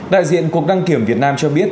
đại diện cục đăng kiểm việt nam cho biết